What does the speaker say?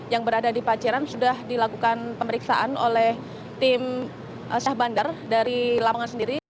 yang berada di paciran sudah dilakukan pemeriksaan oleh tim syah bandar dari lapangan sendiri